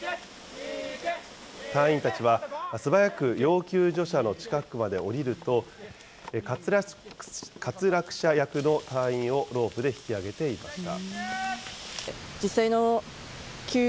隊員たちは、素早く要救助者の近くまで降りると、滑落者役の隊員をロープで引き上げていました。